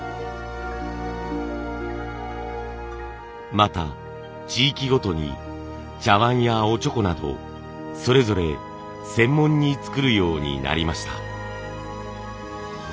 また地域ごとに茶わんやおちょこなどそれぞれ専門に作るようになりました。